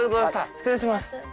失礼します。